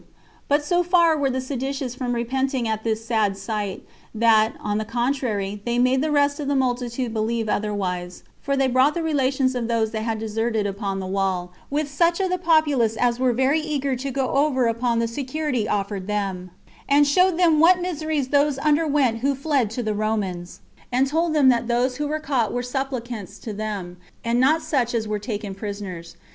But so far were the seditious from repenting at this sad sight, that, on the contrary, they made the rest of the multitude believe otherwise; for they brought the relations of those that had deserted upon the wall, with such of the populace as were very eager to go over upon the security offered them, and showed them what miseries those underwent who fled to the Romans; and told them that those who were caught were supplicants to them, and not such as were taken prisoners.